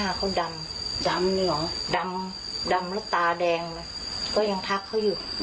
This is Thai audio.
แล้ววันนั้นก่อนที่เขาจะหายไปแต่หน้าเขาดำดำและตาแดงยังทักเค้าอยู่